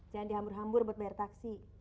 jangan dihambur hambur buat bayar taksi